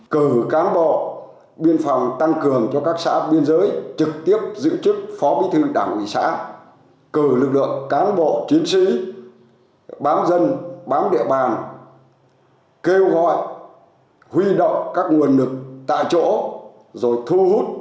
cử cán bộ biên phòng tăng cường cho các xã biên giới trực tiếp giữ chức phó bí thư đảng ủy xã cử lực lượng cán bộ chiến sĩ bám dân bám địa bàn kêu gọi huy động các nguồn lực tại chỗ rồi thu hút